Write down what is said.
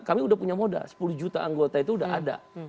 kami sudah punya modal sepuluh juta anggota itu sudah ada